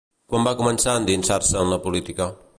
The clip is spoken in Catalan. Quan va començar a endinsar-se en la política?